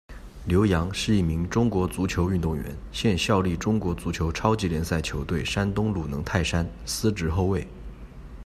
刘洋，是一名中国足球运动员，现效力中国足球超级联赛球队山东鲁能泰山，司职后卫。